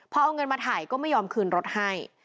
พอเอาเงินมาถ่ายก็ไม่ยอมคืนรถให้